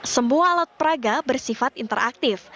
semua alat peraga bersifat interaktif